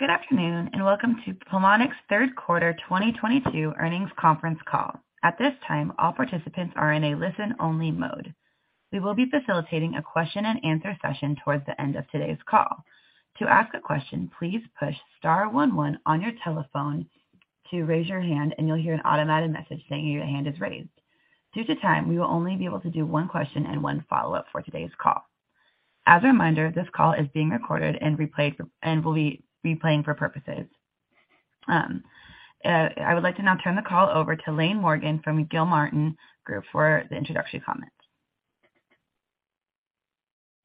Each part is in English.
Good afternoon, and welcome to Pulmonx third quarter 2022 earnings conference call. At this time, all participants are in a listen-only mode. We will be facilitating a question-and-answer session towards the end of today's call. To ask a question, please push star one one on your telephone to raise your hand, and you'll hear an automated message saying your hand is raised. Due to time, we will only be able to do one question and one follow-up for today's call. As a reminder, this call is being recorded and will be replayed for purposes. I would like to now turn the call over to Laine Morgan from Gilmartin Group for the introductory comments.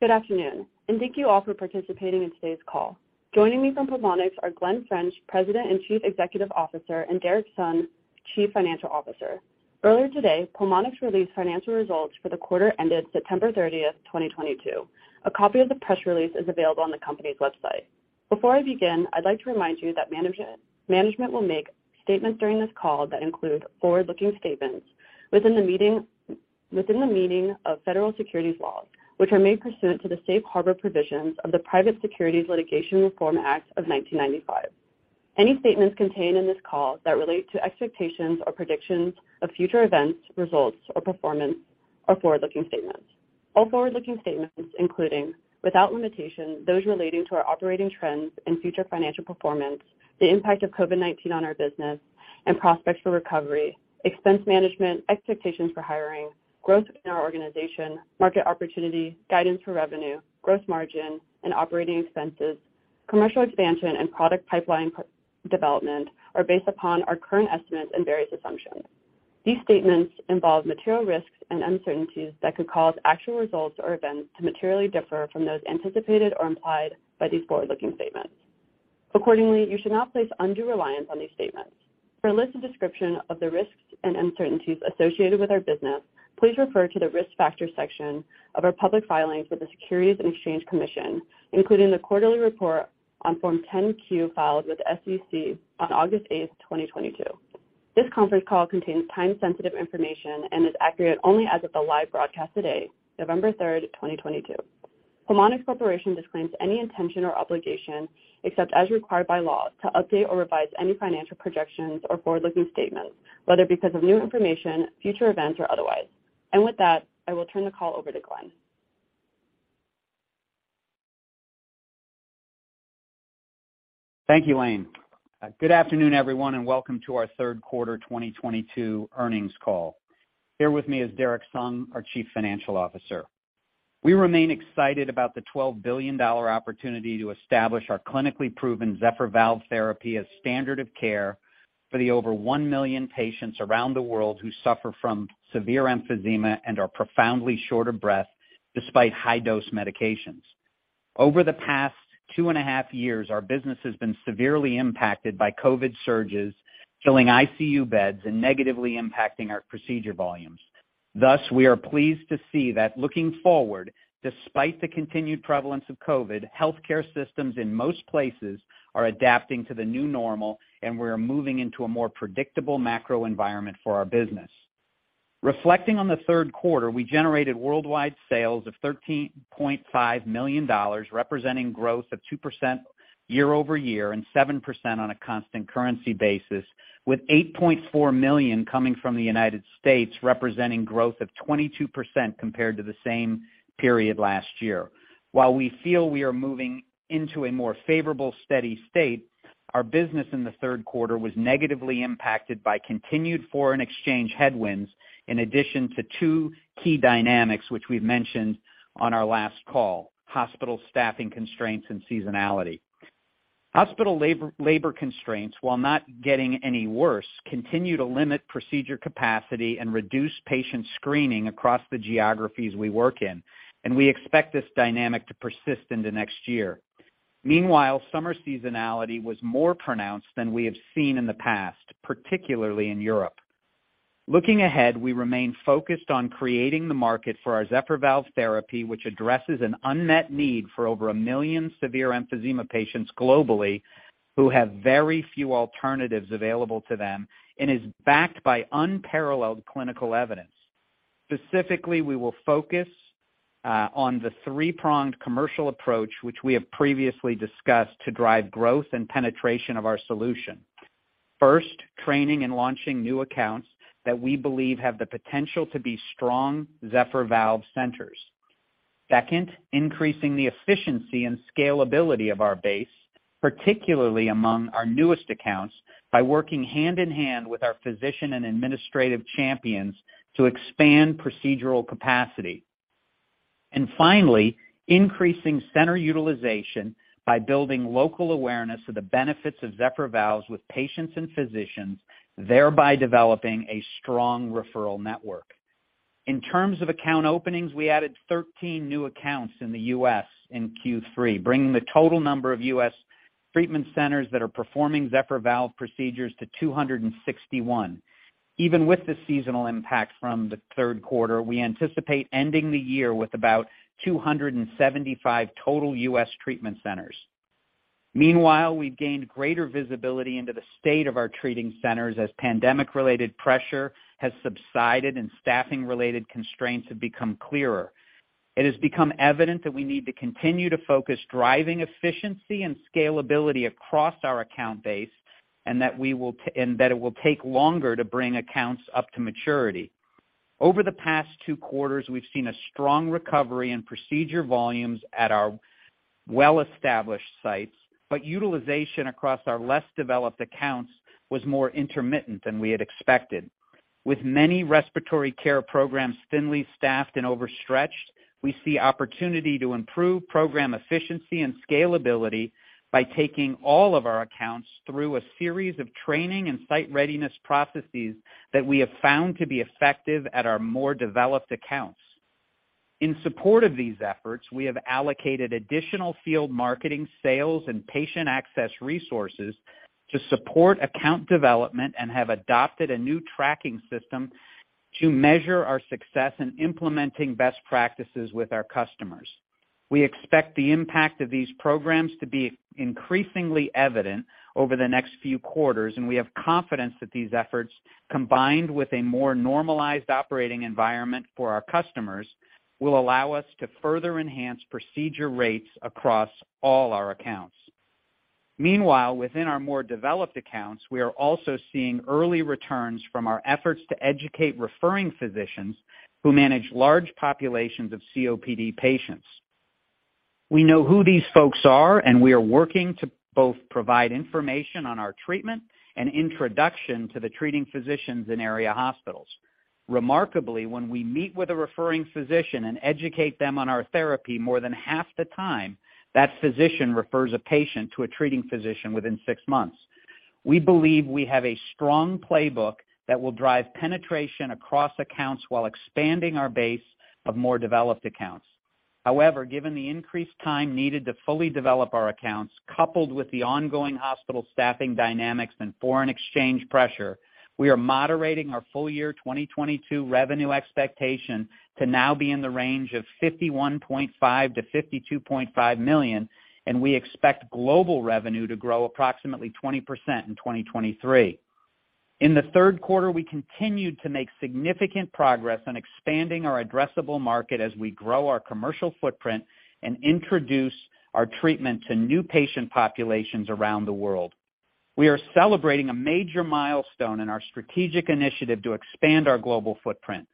Good afternoon, and thank you all for participating in today's call. Joining me from Pulmonx are Glen French, President and Chief Executive Officer, and Derrick Sung, Chief Financial Officer. Earlier today, Pulmonx released financial results for the quarter ended September 30th, 2022. A copy of the press release is available on the company's website. Before I begin, I'd like to remind you that management will make statements during this call that include forward-looking statements within the meaning of federal securities laws, which are made pursuant to the safe harbor provisions of the Private Securities Litigation Reform Act of 1995. Any statements contained in this call that relate to expectations or predictions of future events, results or performance are forward-looking statements. All forward-looking statements, including, without limitation, those relating to our operating trends and future financial performance, the impact of COVID-19 on our business and prospects for recovery, expense management, expectations for hiring, growth in our organization, market opportunity, guidance for revenue, gross margin and operating expenses, commercial expansion and product pipeline development are based upon our current estimates and various assumptions. These statements involve material risks and uncertainties that could cause actual results or events to materially differ from those anticipated or implied by these forward-looking statements. Accordingly, you should not place undue reliance on these statements. For a list and description of the risks and uncertainties associated with our business, please refer to the Risk Factors section of our public filings with the Securities and Exchange Commission, including the quarterly report on Form 10-Q filed with the SEC on August 8, 2022. This conference call contains time-sensitive information and is accurate only as of the live broadcast today, November 3rd, 2022. Pulmonx Corporation disclaims any intention or obligation, except as required by law, to update or revise any financial projections or forward-looking statements, whether because of new information, future events or otherwise. With that, I will turn the call over to Glen. Thank you, Laine. Good afternoon, everyone, and welcome to our third quarter 2022 earnings call. Here with me is Derrick Sung, our Chief Financial Officer. We remain excited about the $12 billion opportunity to establish our clinically proven Zephyr Valve therapy as standard of care for the over 1 million patients around the world who suffer from severe emphysema and are profoundly short of breath despite high-dose medications. Over the past two and a half years, our business has been severely impacted by COVID surges, filling ICU beds and negatively impacting our procedure volumes. Thus, we are pleased to see that looking forward, despite the continued prevalence of COVID, healthcare systems in most places are adapting to the new normal, and we are moving into a more predictable macro environment for our business. Reflecting on the third quarter, we generated worldwide sales of $13.5 million, representing growth of 2% year-over-year and 7% on a constant currency basis, with $8.4 million coming from the United States, representing growth of 22% compared to the same period last year. While we feel we are moving into a more favorable, steady state, our business in the third quarter was negatively impacted by continued foreign exchange headwinds in addition to two key dynamics which we've mentioned on our last call, hospital staffing constraints and seasonality. Hospital labor constraints, while not getting any worse, continue to limit procedure capacity and reduce patient screening across the geographies we work in, and we expect this dynamic to persist into next year. Meanwhile, summer seasonality was more pronounced than we have seen in the past, particularly in Europe. Looking ahead, we remain focused on creating the market for our Zephyr Valve therapy, which addresses an unmet need for over 1 million severe emphysema patients globally who have very few alternatives available to them and is backed by unparalleled clinical evidence. Specifically, we will focus on the three-pronged commercial approach which we have previously discussed to drive growth and penetration of our solution. First, training and launching new accounts that we believe have the potential to be strong Zephyr Valve centers. Second, increasing the efficiency and scalability of our base, particularly among our newest accounts, by working hand in hand with our physician and administrative champions to expand procedural capacity. Finally, increasing center utilization by building local awareness of the benefits of Zephyr Valves with patients and physicians, thereby developing a strong referral network. In terms of account openings, we added 13 new accounts in the U.S. in Q3, bringing the total number of U.S. treatment centers that are performing Zephyr Valve procedures to 261. Even with the seasonal impact from the third quarter, we anticipate ending the year with about 275 total U.S. treatment centers. Meanwhile, we've gained greater visibility into the state of our treating centers as pandemic-related pressure has subsided and staffing-related constraints have become clearer. It has become evident that we need to continue to focus driving efficiency and scalability across our account base and that it will take longer to bring accounts up to maturity. Over the past two quarters, we've seen a strong recovery in procedure volumes at our well-established sites, but utilization across our less developed accounts was more intermittent than we had expected. With many respiratory care programs thinly staffed and overstretched, we see opportunity to improve program efficiency and scalability by taking all of our accounts through a series of training and site readiness processes that we have found to be effective at our more developed accounts. In support of these efforts, we have allocated additional field marketing, sales, and patient access resources to support account development and have adopted a new tracking system to measure our success in implementing best practices with our customers. We expect the impact of these programs to be increasingly evident over the next few quarters, and we have confidence that these efforts, combined with a more normalized operating environment for our customers, will allow us to further enhance procedure rates across all our accounts. Meanwhile, within our more developed accounts, we are also seeing early returns from our efforts to educate referring physicians who manage large populations of COPD patients. We know who these folks are, and we are working to both provide information on our treatment and introduction to the treating physicians in area hospitals. Remarkably, when we meet with a referring physician and educate them on our therapy, more than half the time that physician refers a patient to a treating physician within six months. We believe we have a strong playbook that will drive penetration across accounts while expanding our base of more developed accounts. However, given the increased time needed to fully develop our accounts, coupled with the ongoing hospital staffing dynamics and foreign exchange pressure, we are moderating our full year 2022 revenue expectation to now be in the range of $51.5 million-$52.5 million, and we expect global revenue to grow approximately 20% in 2023. In the third quarter, we continued to make significant progress on expanding our addressable market as we grow our commercial footprint and introduce our treatment to new patient populations around the world. We are celebrating a major milestone in our strategic initiative to expand our global footprint.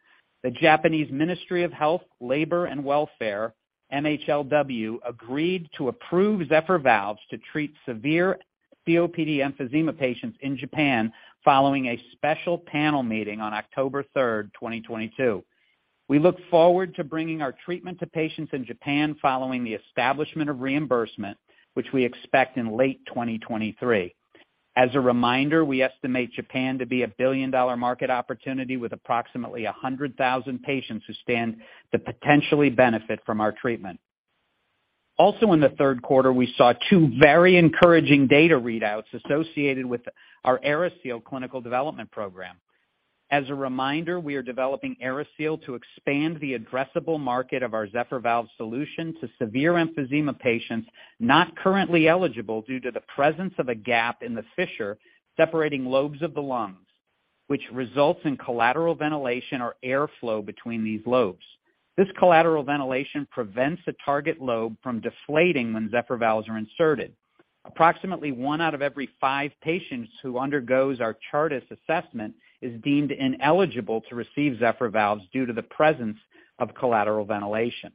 The Japanese Ministry of Health, Labour and Welfare, MHLW, agreed to approve Zephyr Valves to treat severe COPD emphysema patients in Japan following a special panel meeting on October 3rd, 2022. We look forward to bringing our treatment to patients in Japan following the establishment of reimbursement, which we expect in late 2023. As a reminder, we estimate Japan to be a billion-dollar market opportunity with approximately 100,000 patients who stand to potentially benefit from our treatment. Also in the third quarter, we saw two very encouraging data readouts associated with our AeriSeal clinical development program. As a reminder, we are developing AeriSeal to expand the addressable market of our Zephyr Valve solution to severe emphysema patients not currently eligible due to the presence of a gap in the fissure separating lobes of the lungs, which results in collateral ventilation or airflow between these lobes. This collateral ventilation prevents a target lobe from deflating when Zephyr Valves are inserted. Approximately one out of every five patients who undergoes our Chartis assessment is deemed ineligible to receive Zephyr Valves due to the presence of collateral ventilation.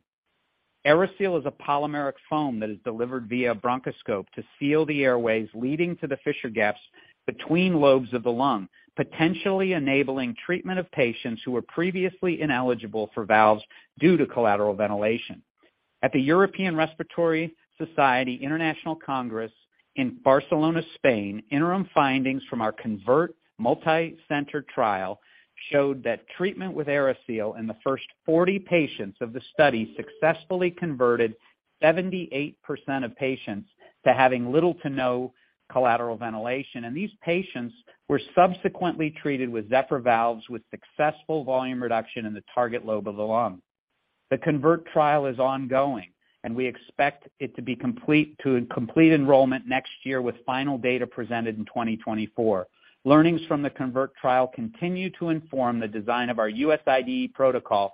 AeriSeal is a polymeric foam that is delivered via bronchoscope to seal the airways leading to the fissure gaps between lobes of the lung, potentially enabling treatment of patients who were previously ineligible for valves due to collateral ventilation. At the European Respiratory Society International Congress in Barcelona, Spain, interim findings from our CONVERT multicenter trial showed that treatment with AeriSeal in the first 40 patients of the study successfully converted 78% of patients to having little to no collateral ventilation, and these patients were subsequently treated with Zephyr Valves with successful volume reduction in the target lobe of the lung. The CONVERT trial is ongoing, and we expect it to complete enrollment next year, with final data presented in 2024. Learnings from the CONVERT trial continue to inform the design of our U.S. IDE protocol,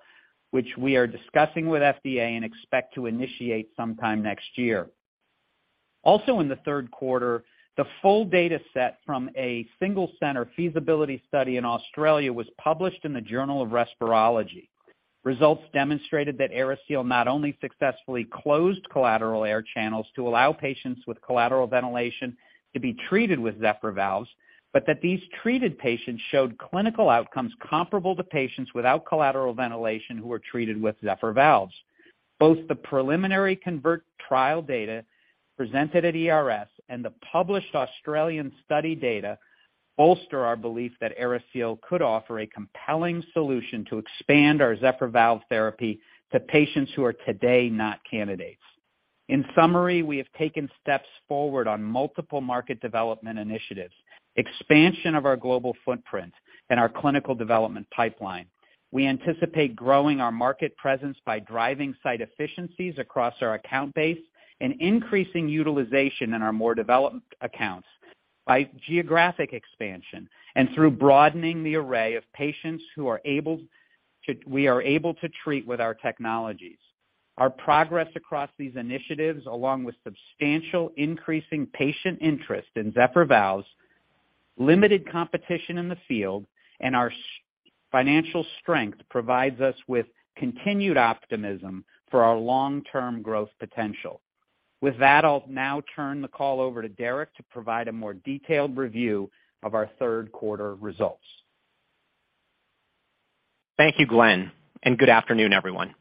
which we are discussing with FDA and expect to initiate sometime next year. Also in the third quarter, the full data set from a single center feasibility study in Australia was published in Respirology. Results demonstrated that AeriSeal not only successfully closed collateral air channels to allow patients with collateral ventilation to be treated with Zephyr Valves, but that these treated patients showed clinical outcomes comparable to patients without collateral ventilation who were treated with Zephyr Valves. Both the preliminary CONVERT trial data presented at ERS and the published Australian study data bolster our belief that AeriSeal could offer a compelling solution to expand our Zephyr Valve therapy to patients who are today not candidates. In summary, we have taken steps forward on multiple market development initiatives, expansion of our global footprint and our clinical development pipeline. We anticipate growing our market presence by driving site efficiencies across our account base and increasing utilization in our more developed accounts, by geographic expansion and through broadening the array of patients who we are able to treat with our technologies. Our progress across these initiatives, along with substantially increasing patient interest in Zephyr Valves, limited competition in the field, and our strong financial strength provides us with continued optimism for our long-term growth potential. With that, I'll now turn the call over to Derrick to provide a more detailed review of our third quarter results. Thank you, Glen, and good afternoon, everyone.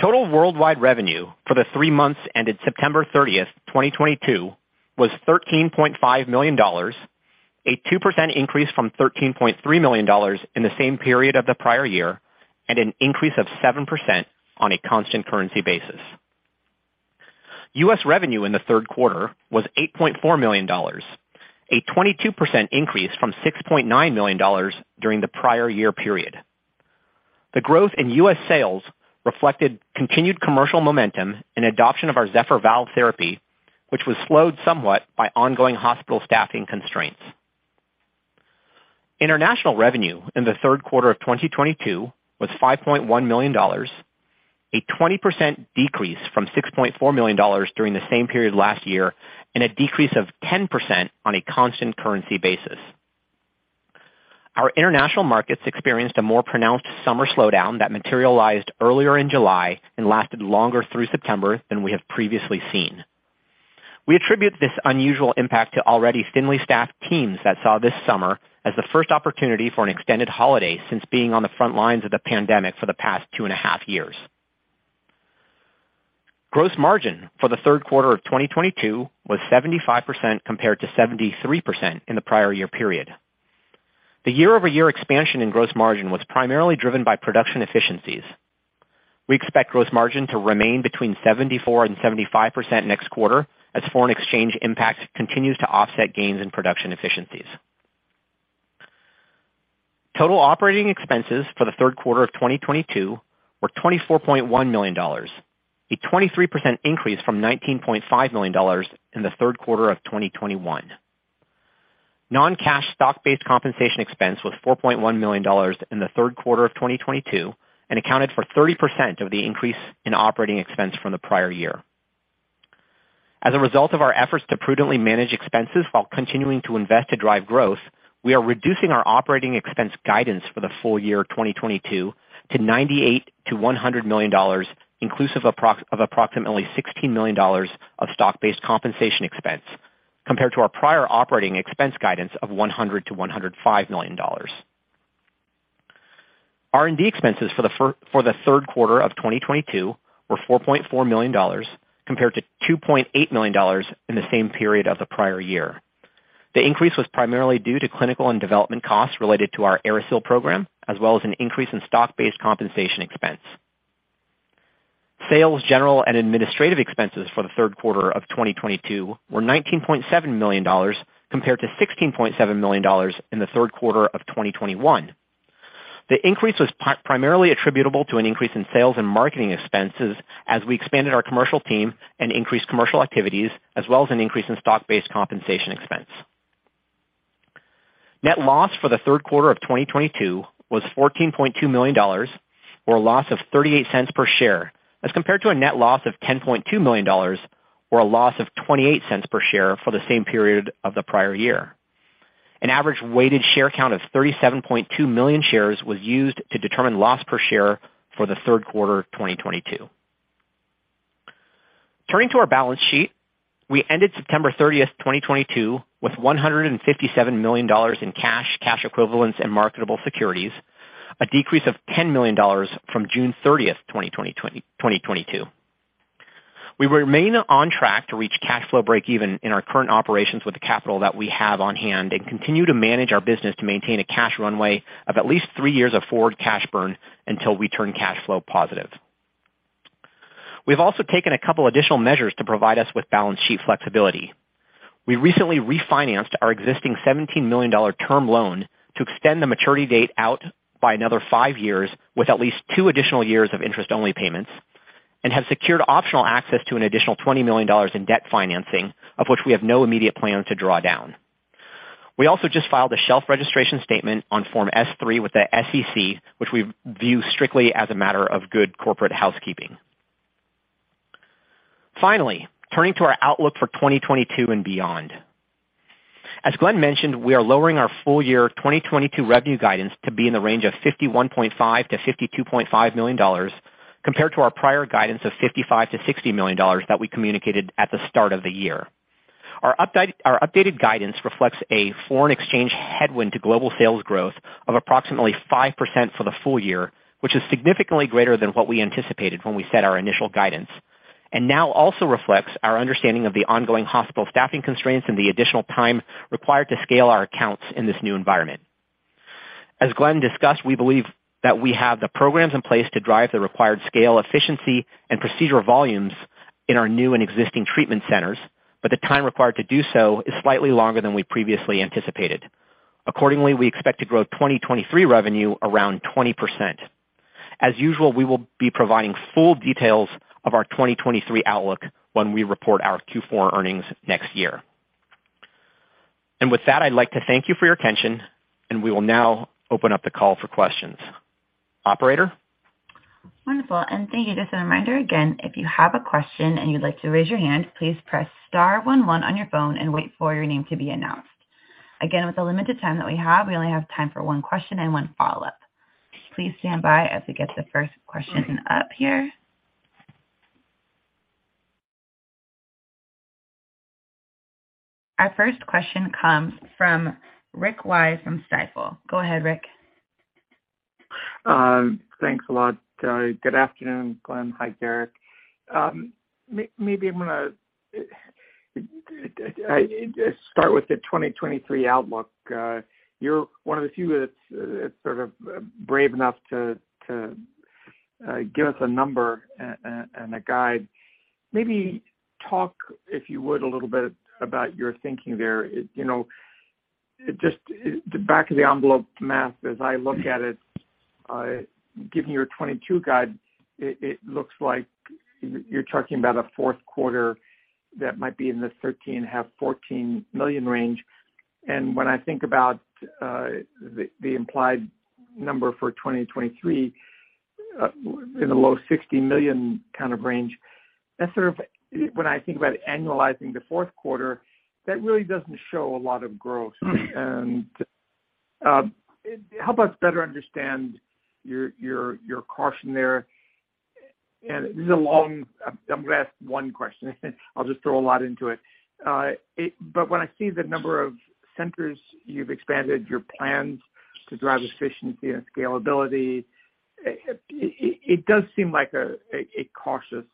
Total worldwide revenue for the three months ended September 30th, 2022 was $13.5 million, a 2% increase from $13.3 million in the same period of the prior year, and an increase of 7% on a constant currency basis. U.S. revenue in the third quarter was $8.4 million, a 22% increase from $6.9 million during the prior year period. The growth in U.S. sales reflected continued commercial momentum and adoption of our Zephyr Valve therapy, which was slowed somewhat by ongoing hospital staffing constraints. International revenue in the third quarter of 2022 was $5.1 million, a 20% decrease from $6.4 million during the same period last year, and a decrease of 10% on a constant currency basis. Our international markets experienced a more pronounced summer slowdown that materialized earlier in July and lasted longer through September than we have previously seen. We attribute this unusual impact to already thinly staffed teams that saw this summer as the first opportunity for an extended holiday since being on the front lines of the pandemic for the past two and a half years. Gross margin for the third quarter of 2022 was 75% compared to 73% in the prior year period. The year-over-year expansion in gross margin was primarily driven by production efficiencies. We expect gross margin to remain between 74% and 75% next quarter as foreign exchange impact continues to offset gains in production efficiencies. Total operating expenses for the third quarter of 2022 were $24.1 million, a 23% increase from $19.5 million in the third quarter of 2021. Non-cash stock-based compensation expense was $4.1 million in the third quarter of 2022 and accounted for 30% of the increase in operating expense from the prior year. As a result of our efforts to prudently manage expenses while continuing to invest to drive growth, we are reducing our operating expense guidance for the full year 2022 to $98 million-$100 million, inclusive of approximately $16 million of stock-based compensation expense, compared to our prior operating expense guidance of $100 million-$105 million. R&D expenses for the third quarter of 2022 were $4.4 million, compared to $2.8 million in the same period of the prior year. The increase was primarily due to clinical and development costs related to our AeriSeal program, as well as an increase in stock-based compensation expense. Sales, general, and administrative expenses for the third quarter of 2022 were $19.7 million compared to $16.7 million in the third quarter of 2021. The increase was primarily attributable to an increase in sales and marketing expenses as we expanded our commercial team and increased commercial activities, as well as an increase in stock-based compensation expense. Net loss for the third quarter of 2022 was $14.2 million, or a loss of $0.38 per share, as compared to a net loss of $10.2 million or a loss of $0.28 per share for the same period of the prior year. An average weighted share count of 37.2 million shares was used to determine loss per share for the third quarter of 2022. Turning to our balance sheet. We ended September 30, 2022, with $157 million in cash equivalents, and marketable securities, a decrease of $10 million from June 30th, 2022. We remain on track to reach cash flow break even in our current operations with the capital that we have on hand and continue to manage our business to maintain a cash runway of at least three years of forward cash burn until we turn cash flow positive. We've also taken a couple additional measures to provide us with balance sheet flexibility. We recently refinanced our existing $17 million term loan to extend the maturity date out by another five years with at least two additional years of interest-only payments, and have secured optional access to an additional $20 million in debt financing, of which we have no immediate plan to draw down. We also just filed a shelf registration statement on Form S-3 with the SEC, which we view strictly as a matter of good corporate housekeeping. Finally, turning to our outlook for 2022 and beyond. As Glen mentioned, we are lowering our full year 2022 revenue guidance to be in the range of $51.5 million-$52.5 million, compared to our prior guidance of $55 million-$60 million that we communicated at the start of the year. Our updated guidance reflects a foreign exchange headwind to global sales growth of approximately 5% for the full year, which is significantly greater than what we anticipated when we set our initial guidance, and now also reflects our understanding of the ongoing hospital staffing constraints and the additional time required to scale our accounts in this new environment. As Glen discussed, we believe that we have the programs in place to drive the required scale, efficiency, and procedural volumes in our new and existing treatment centers, but the time required to do so is slightly longer than we previously anticipated. Accordingly, we expect to grow 2023 revenue around 20%. As usual, we will be providing full details of our 2023 outlook when we report our Q4 earnings next year. With that, I'd like to thank you for your attention, and we will now open up the call for questions. Operator? Wonderful, thank you. Just a reminder, again, if you have a question and you'd like to raise your hand, please press star one one on your phone and wait for your name to be announced. Again, with the limited time that we have, we only have time for one question and one follow-up. Please stand by as we get the first question up here. Our first question comes from Rick Wise from Stifel. Go ahead, Rick. Thanks a lot. Good afternoon, Glen. Hi, Derrick. I'm gonna start with the 2023 outlook. You're one of the few that's sort of brave enough to give us a number and a guide. Maybe talk, if you would, a little bit about your thinking there. You know, just the back of the envelope math as I look at it, given your 2022 guide, it looks like you're talking about a fourth quarter that might be in the $13.5 million-$14 million range. When I think about the implied number for 2023 in the low $60 million kind of range, that's sort of. When I think about annualizing the fourth quarter, that really doesn't show a lot of growth. Help us better understand your caution there. I'm gonna ask one question. I'll just throw a lot into it. When I see the number of centers you've expanded, your plans to drive efficiency and scalability, it does seem like a cautious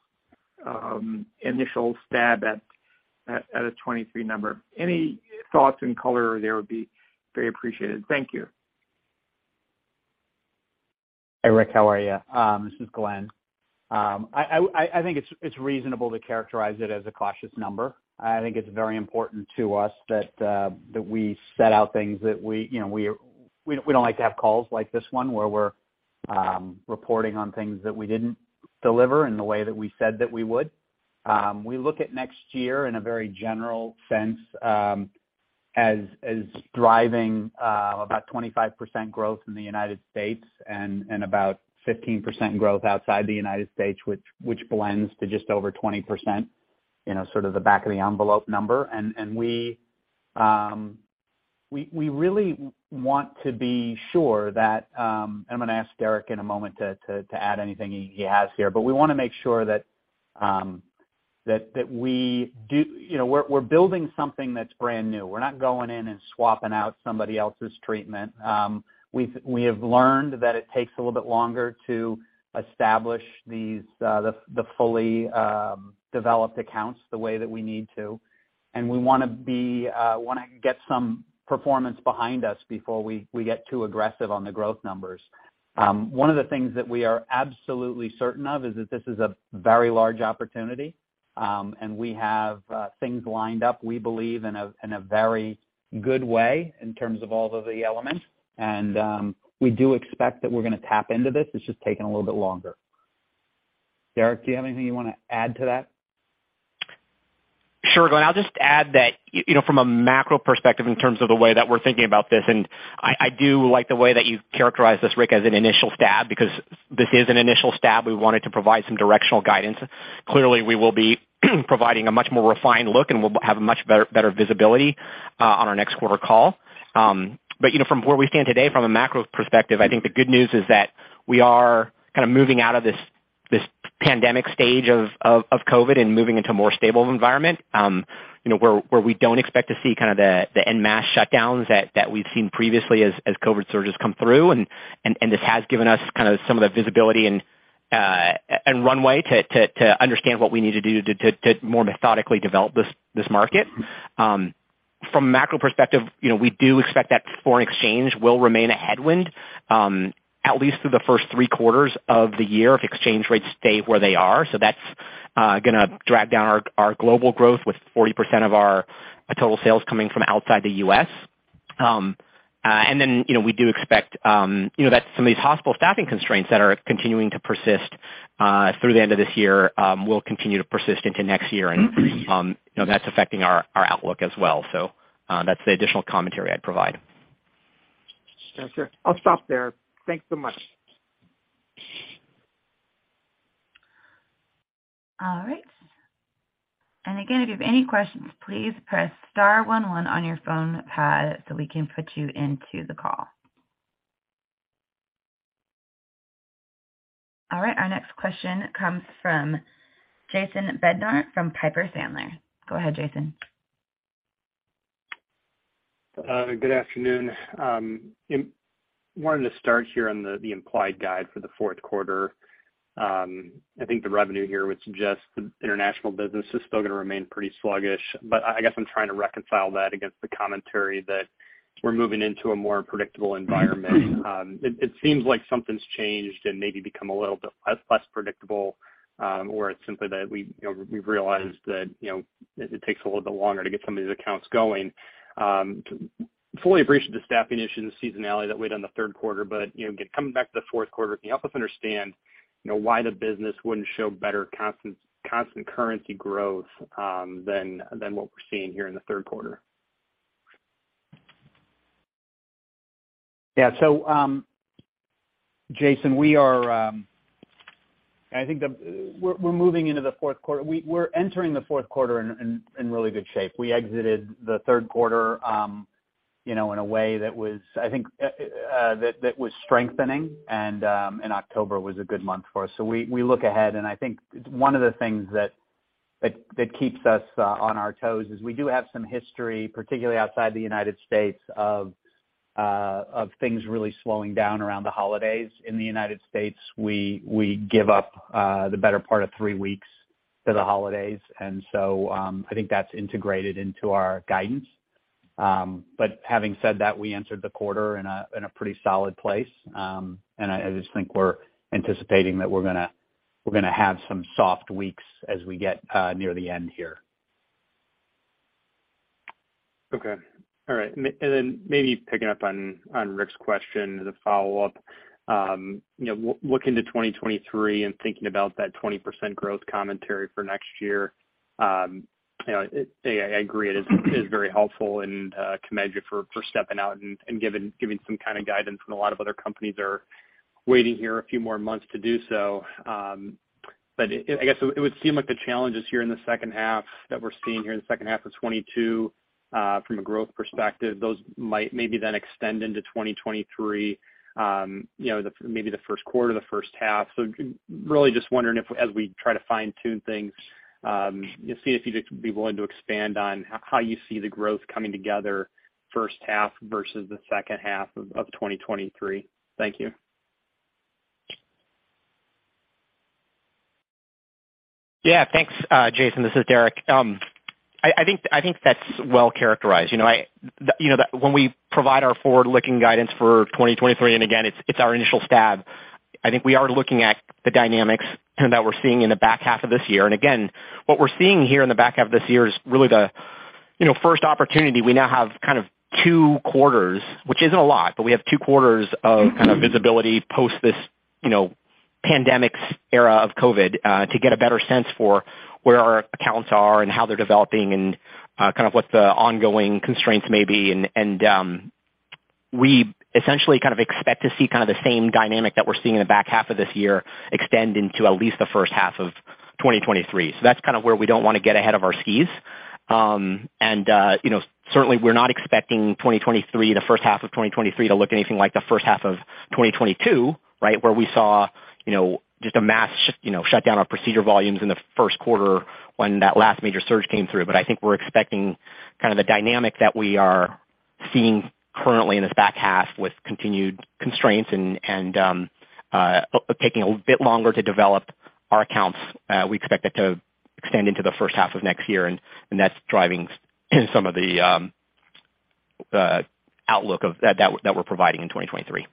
initial stab at a 2023 number. Any thoughts and color there would be very appreciated. Thank you. Hey, Rick, how are you? This is Glen. I think it's reasonable to characterize it as a cautious number. I think it's very important to us that we set out things that we, you know, we don't like to have calls like this one, where we're reporting on things that we didn't deliver in the way that we said that we would. We look at next year in a very general sense as driving about 25% growth in the United States and about 15% growth outside the United States, which blends to just over 20%, you know, sort of the back of the envelope number. We really want to be sure that I'm gonna ask Derrick in a moment to add anything he has here, but we wanna make sure that we do. You know, we're building something that's brand new. We're not going in and swapping out somebody else's treatment. We've learned that it takes a little bit longer to establish these, the fully developed accounts the way that we need to. We wanna get some performance behind us before we get too aggressive on the growth numbers. One of the things that we are absolutely certain of is that this is a very large opportunity, and we have things lined up, we believe, in a very good way in terms of all of the elements. We do expect that we're gonna tap into this. It's just taking a little bit longer. Derrick, do you have anything you wanna add to that? Sure. Glen, I'll just add that, you know, from a macro perspective in terms of the way that we're thinking about this, and I do like the way that you characterize this, Rick, as an initial stab, because this is an initial stab. We wanted to provide some directional guidance. Clearly, we will be providing a much more refined look, and we'll have much better visibility on our next quarter call. You know, from where we stand today, from a macro perspective, I think the good news is that we are kind of moving out of this pandemic stage of COVID and moving into a more stable environment, you know, where we don't expect to see kind of the en masse shutdowns that we've seen previously as COVID surges come through. This has given us kind of some of the visibility and runway to understand what we need to do to more methodically develop this market. From a macro perspective, you know, we do expect that foreign exchange will remain a headwind, at least through the first three quarters of the year if exchange rates stay where they are. That's gonna drag down our global growth with 40% of our total sales coming from outside the U.S. And then, you know, we do expect, you know, that some of these hospital staffing constraints that are continuing to persist through the end of this year will continue to persist into next year and, you know, that's affecting our outlook as well. That's the additional commentary I'd provide. Yeah, sure. I'll stop there. Thanks so much. All right. Again, if you have any questions, please press star one one on your phone pad so we can put you into the call. All right, our next question comes from Jason Bednar from Piper Sandler. Go ahead, Jason. Good afternoon. Wanted to start here on the implied guide for the fourth quarter. I think the revenue here would suggest the international business is still gonna remain pretty sluggish. I guess I'm trying to reconcile that against the commentary that we're moving into a more predictable environment. It seems like something's changed and maybe become a little bit less predictable, or it's simply that we, you know, we've realized that, you know, it takes a little bit longer to get some of these accounts going. Fully appreciate the staffing issue and the seasonality that weighed on the third quarter. You know, coming back to the fourth quarter, can you help us understand, you know, why the business wouldn't show better constant currency growth than what we're seeing here in the third quarter? Yeah. Jason, I think we're moving into the fourth quarter. We're entering the fourth quarter in really good shape. We exited the third quarter, you know, in a way that was, I think, strengthening, and October was a good month for us. We look ahead, and I think one of the things that keeps us on our toes is we do have some history, particularly outside the United States, of things really slowing down around the holidays. In the United States, we give up the better part of three weeks to the holidays. I think that's integrated into our guidance. Having said that, we entered the quarter in a pretty solid place. I just think we're anticipating that we're gonna have some soft weeks as we get near the end here. Okay. All right. Maybe picking up on Rick's question as a follow-up, you know, looking to 2023 and thinking about that 20% growth commentary for next year, you know, I agree it is very helpful and commend you for stepping out and giving some kind of guidance when a lot of other companies are waiting here a few more months to do so. I guess it would seem like the challenges here in the second half that we're seeing here in the second half of 2022, from a growth perspective, those might maybe then extend into 2023, you know, maybe the first quarter or the first half. Really just wondering if as we try to fine-tune things, seeing if you'd just be willing to expand on how you see the growth coming together first half versus the second half of 2023. Thank you. Yeah. Thanks, Jason. This is Derrick. I think that's well characterized. You know, when we provide our forward-looking guidance for 2023, and again, it's our initial stab. I think we are looking at the dynamics, you know, that we're seeing in the back half of this year. Again, what we're seeing here in the back half of this year is really the first opportunity. We now have kind of two quarters, which isn't a lot, but we have two quarters of kind of visibility post this pandemic's era of COVID to get a better sense for where our accounts are and how they're developing and kind of what the ongoing constraints may be. we essentially kind of expect to see kind of the same dynamic that we're seeing in the back half of this year extend into at least the first half of 2023. That's kind of where we don't wanna get ahead of our skis. You know, certainly we're not expecting 2023, the first half of 2023, to look anything like the first half of 2022, right? Where we saw, you know, just a shutdown of procedure volumes in the first quarter when that last major surge came through. I think we're expecting kind of the dynamic that we are seeing currently in this back half with continued constraints and taking a bit longer to develop our accounts. We expect that to extend into the first half of next year, and that's driving some of the outlook that we're providing in 2023.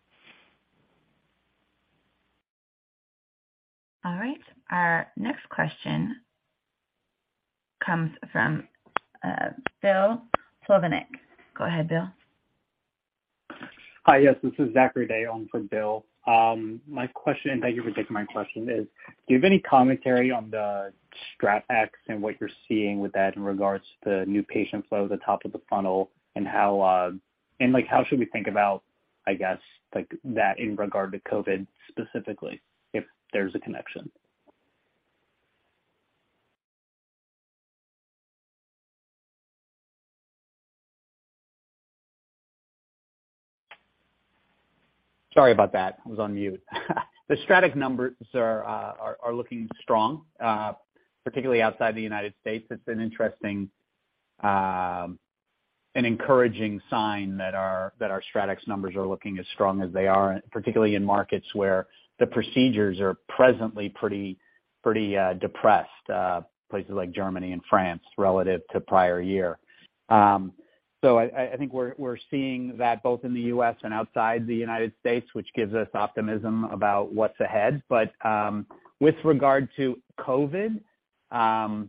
All right. Our next question comes from, Bill Plovanic. Go ahead, Bill. Hi. Yes, this is Zachary Day on for Bill. My question, thank you for taking my question, is do you have any commentary on the StratX and what you're seeing with that in regards to the new patient flow at the top of the funnel and how, and, like, how should we think about, I guess, like, that in regard to COVID specifically, if there's a connection? Sorry about that. I was on mute. The StratX numbers are looking strong, particularly outside the United States. It's an interesting and encouraging sign that our StratX numbers are looking as strong as they are, particularly in markets where the procedures are presently pretty depressed, places like Germany and France relative to prior year. I think we're seeing that both in the U.S. and outside the United States, which gives us optimism about what's ahead. With regard to COVID, I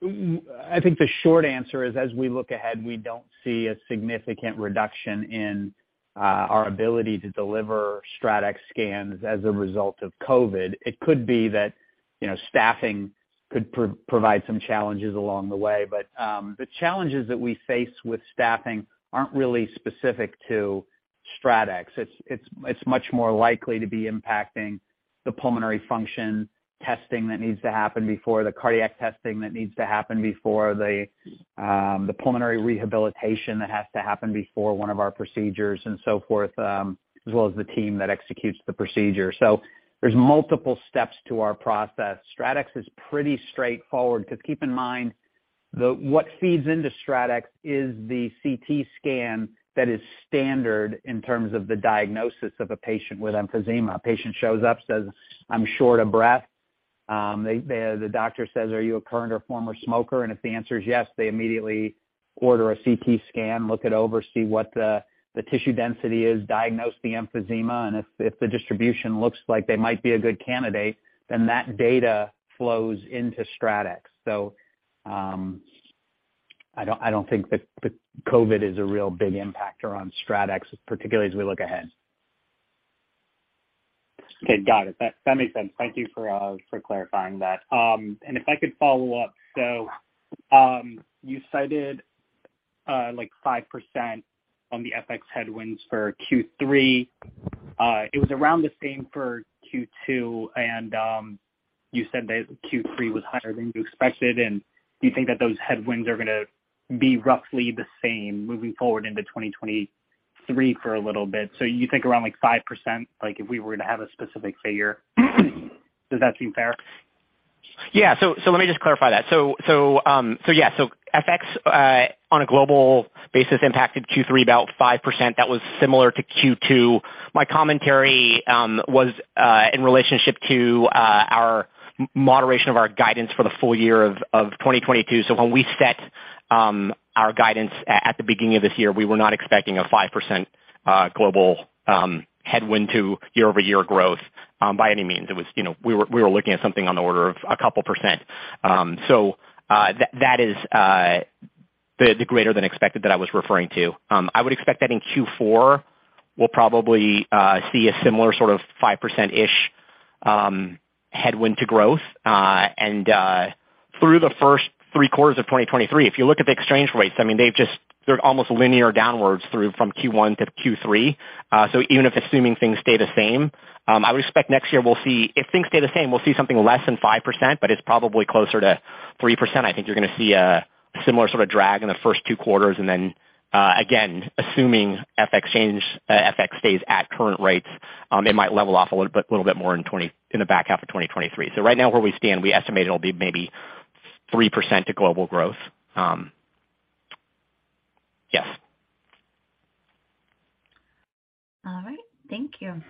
think the short answer is, as we look ahead, we don't see a significant reduction in our ability to deliver StratX scans as a result of COVID. It could be that, you know, staffing could provide some challenges along the way, but the challenges that we face with staffing aren't really specific to StratX. It's much more likely to be impacting the pulmonary function testing that needs to happen before the cardiac testing, that needs to happen before the pulmonary rehabilitation, that has to happen before one of our procedures and so forth, as well as the team that executes the procedure. There's multiple steps to our process. StratX is pretty straightforward 'cause keep in mind, what feeds into StratX is the CT scan that is standard in terms of the diagnosis of a patient with emphysema. A patient shows up, says, "I'm short of breath." They, the doctor says, "Are you a current or former smoker?" If the answer is yes, they immediately order a CT scan, look it over, see what the tissue density is, diagnose the emphysema, and if the distribution looks like they might be a good candidate, then that data flows into StratX. I don't think that the COVID is a real big impact around StratX, particularly as we look ahead. Okay. Got it. That makes sense. Thank you for clarifying that. If I could follow up. You cited like 5% on the FX headwinds for Q3. It was around the same for Q2, and you said that Q3 was higher than you expected, and you think that those headwinds are gonna be roughly the same moving forward into 2023 for a little bit. You think around like 5%, like if we were to have a specific figure, does that seem fair? Yeah, let me just clarify that. FX on a global basis impacted Q3 about 5%. That was similar to Q2. My commentary was in relationship to our moderation of our guidance for the full year of 2022. When we set our guidance at the beginning of this year, we were not expecting a 5% global headwind to year-over-year growth by any means. It was, you know, we were looking at something on the order of a couple percent. That is the greater than expected that I was referring to. I would expect that in Q4, we'll probably see a similar sort of 5%-ish headwind to growth. Through the first three quarters of 2023, if you look at the exchange rates, I mean, they've just, they're almost linear downwards through from Q1 to Q3. So even if assuming things stay the same, I would expect next year we'll see. If things stay the same, we'll see something less than 5%, but it's probably closer to 3%. I think you're gonna see a similar sort of drag in the first two quarters. Then, again, assuming FX change, FX stays at current rates, it might level off a little bit more in the back half of 2023. Right now, where we stand, we estimate it'll be maybe 3% to global growth. Yes. All right. Thank you.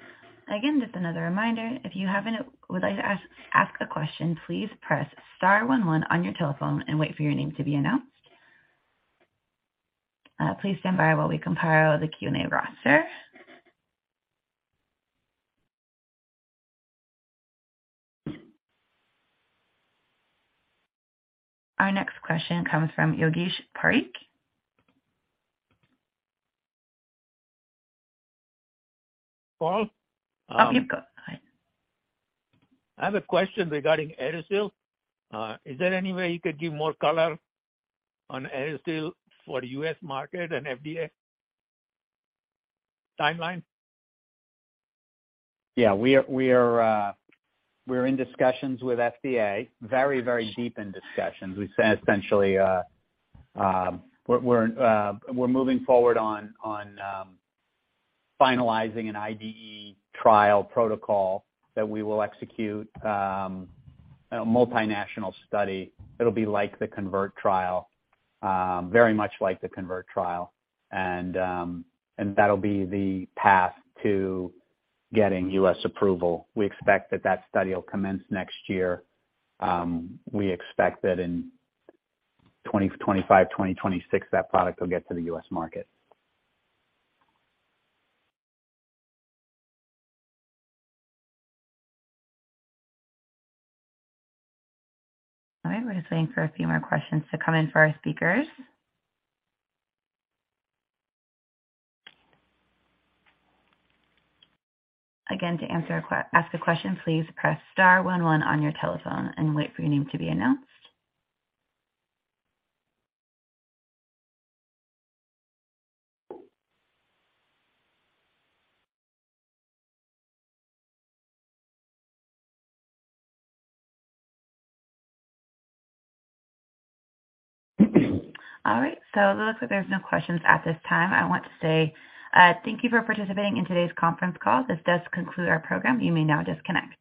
Again, just another reminder, if you haven't, would like to ask a question, please press star one one on your telephone and wait for your name to be announced. Please stand by while we compile the Q&A roster. Our next question comes from [Yogesh Parikh]. [Paul?] Oh, you go. All right. I have a question regarding AeriSeal. Is there any way you could give more color on AeriSeal for the U.S. market and FDA timeline? Yeah, we are in discussions with FDA. Very, very deep in discussions. We essentially, we're moving forward on finalizing an IDE trial protocol that we will execute, a multinational study. It'll be like the CONVERT trial, very much like the CONVERT trial. That'll be the path to getting U.S. approval. We expect that study will commence next year. We expect that in 2025, 2026, that product will get to the U.S. market. All right. We're just waiting for a few more questions to come in for our speakers. Again, to answer a question, please press star one one on your telephone and wait for your name to be announced. All right. It looks like there's no questions at this time. I want to say, thank you for participating in today's conference call. This does conclude our program. You may now disconnect.